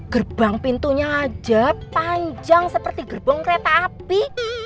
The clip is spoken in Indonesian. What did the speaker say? gerbang pintunya aja panjang seperti gerbong kereta api